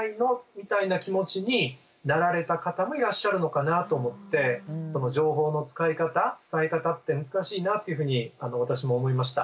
みたいな気持ちになられた方もいらっしゃるのかなと思ってその情報の使い方伝え方って難しいなっていうふうに私も思いました。